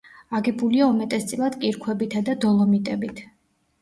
აგებულია უმეტესწილად კირქვებითა და დოლომიტებით.